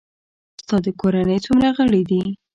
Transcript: ستا د کورنۍ څومره غړي دي؟